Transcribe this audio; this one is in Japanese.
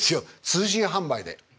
通信販売で。